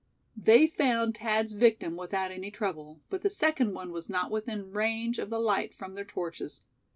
They found Thad's victim without any trouble, but the second one was not within range of the light from their torches.